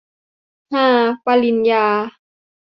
ฮา ปริญญา